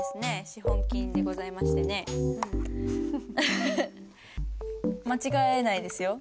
資本金でございましてね間違えないですよ。